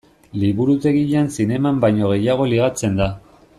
Liburutegian zineman baino gehiago ligatzen da.